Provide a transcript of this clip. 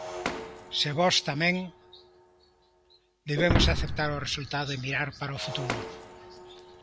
Se vós tamén, debemos aceptar o resultado e mirar para o futuro.